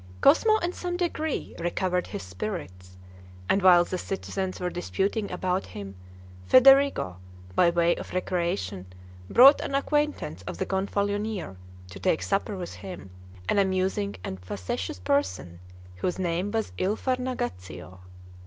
Cosmo in some degree recovered his spirits, and while the citizens were disputing about him, Federigo, by way of recreation, brought an acquaintance of the Gonfalonier to take supper with him, an amusing and facetious person, whose name was Il Farnagaccio.